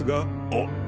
あっ！